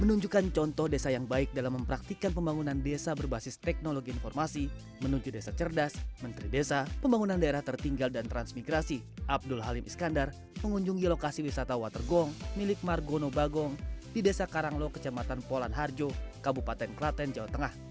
menunjukkan contoh desa yang baik dalam mempraktikan pembangunan desa berbasis teknologi informasi menuju desa cerdas menteri desa pembangunan daerah tertinggal dan transmigrasi abdul halim iskandar mengunjungi lokasi wisata water gong milik margono bagong di desa karanglo kecamatan polan harjo kabupaten klaten jawa tengah